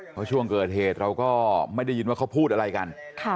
เพราะช่วงเกิดเหตุเราก็ไม่ได้ยินว่าเขาพูดอะไรกัน